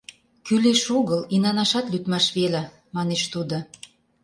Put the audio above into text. — Кӱлеш-огыл, инанашат лӱдмаш веле, — манеш тудо.